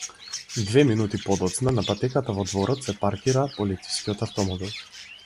Две минути подоцна на патеката во дворот се паркира полицискиот автомобил.